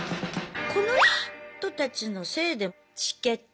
この人たちのせいでチケット今仕組み